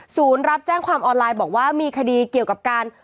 รับแจ้งความออนไลน์บอกว่ามีคดีเกี่ยวกับการ